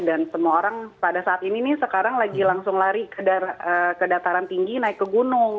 dan semua orang pada saat ini nih sekarang lagi langsung lari ke dataran tinggi naik ke gunung